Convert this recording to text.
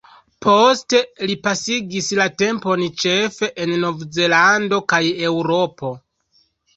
Poste li pasigis la tempon ĉefe en Nov-Zelando kaj Eŭropo.